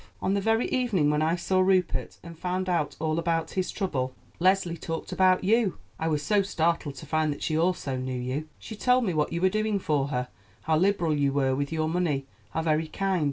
On the very evening when I saw Rupert, and found out all about his trouble, Leslie talked about you. I was so startled to find that she also knew you. She told me what you were doing for her, how liberal you were with your money, how very kind.